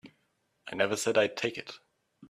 I never said I'd take it.